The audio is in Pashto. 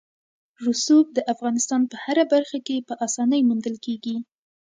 رسوب د افغانستان په هره برخه کې په اسانۍ موندل کېږي.